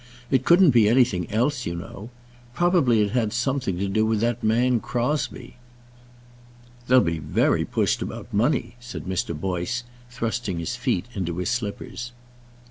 It couldn't be anything else, you know. Probably it had something to do with that man Crosbie." "They'll be very pushed about money," said Mr. Boyce, thrusting his feet into his slippers.